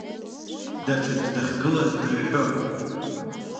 Даҽаӡә дахьгылаз дыҳәҳәон.